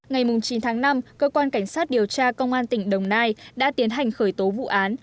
ngày chín tháng năm cơ quan cảnh sát điều tra công an tỉnh đồng nai đã tiến hành khởi tố vụ án